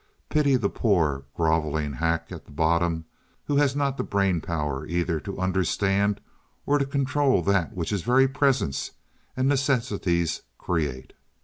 Pity the poor groveling hack at the bottom who has not the brain power either to understand or to control that which his very presence and necessities create.